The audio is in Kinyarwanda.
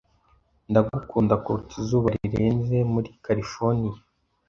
Ndagukunda kuruta izuba rirenze muri Californiya